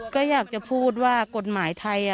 ก็อยากจะพูดว่ากฎหมายไทย